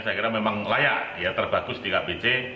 saya kira memang layak dia terbagus di kpc